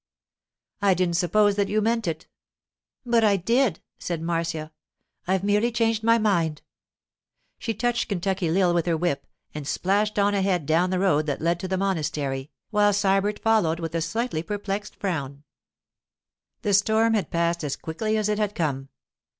'I didn't suppose that you meant it.' 'But I did!' said Marcia. 'I've merely changed my mind.' She touched Kentucky Lil with her whip and splashed on ahead down the road that led toward the monastery, while Sybert followed with a slightly perplexed frown. The storm had passed as quickly as it had come.